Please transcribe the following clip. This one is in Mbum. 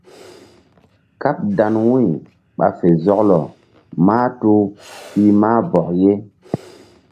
Káɓ dan wu̧y ɓa fe zɔklɔ mahtuh pih mah bɔk ye.